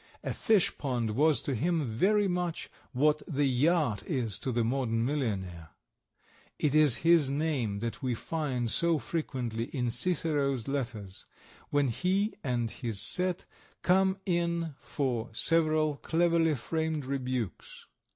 A fish pond was to him very much what the yacht is to the modern millionaire. It is his name that we find so frequently in Cicero's letters, when he and his set come in for several cleverly framed rebukes.